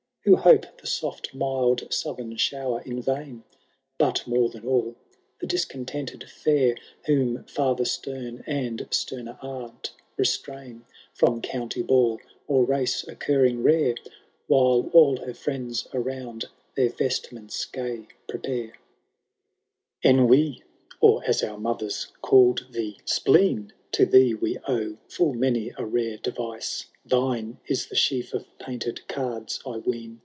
Who hope the soft mild southern shower in vain ; But, more than all, the discontented fidr. Whom fiither stem, and stemer aunt, restrain From county ball, or race occurring rare. While all her friends around their vestments gay prepare. 116 HAROLD TUX DA0NTLB88. Ennui !— or, as our mothers called thee, Spleen I To thee we owe full many a rare deyice ;— Thine is the sheaf of painted cards, I ween.